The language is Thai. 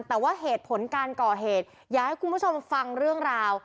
แต่ว่าเหตุผลการก่อเหตุอยากให้คุณผู้ชมฟังเรื่องราว